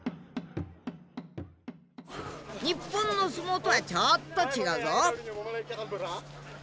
日本の相撲とはちょっと違うぞ。